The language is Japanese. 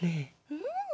うん。